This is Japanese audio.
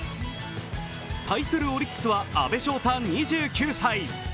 対するオリックスは阿部翔太２９歳。